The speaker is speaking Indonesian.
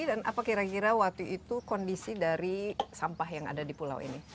dan apa kira kira waktu itu kondisi dari sampah yang ada di pulau ini